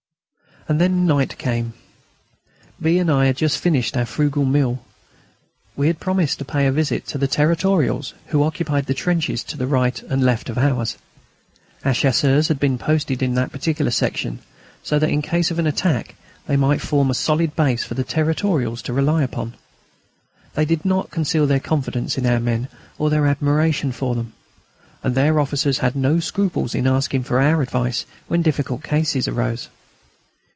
And then night came. B. and I had just finished our frugal meal. We had promised to pay a visit to the Territorials who occupied the trenches right and left of ours. Our Chasseurs had been posted in that particular section so that in case of attack they might form a solid base for the Territorials to rely upon. They did not conceal their confidence in our men or their admiration for them; and their officers had no scruples in asking for our advice when difficult cases arose.